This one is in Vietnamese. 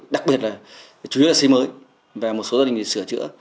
đặc biệt là chủ yếu là xây mới và một số gia đình thì sửa chữa